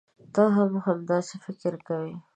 ته هم همداسې فکر کوې.